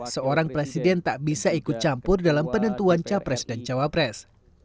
seorang presiden tak bisa ikut campur dalam penentuan capres dan cawapres